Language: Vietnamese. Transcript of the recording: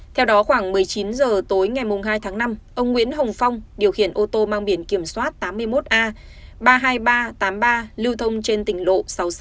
theo đó khoảng một mươi chín h tối ngày hai tháng năm ông nguyễn hồng phong điều khiển ô tô mang biển kiểm soát tám mươi một a ba mươi hai nghìn ba trăm tám mươi ba lưu thông trên tỉnh lộ sáu